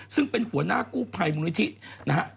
ซึ่งเป็นหัวหน้ากู้ภัยมูลนิธินะฮะ